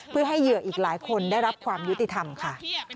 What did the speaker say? เพื่อให้เหยื่ออีกหลายคนได้รับความยุติธรรมค่ะ